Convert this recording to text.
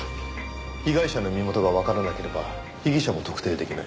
被害者の身元がわからなければ被疑者も特定出来ない。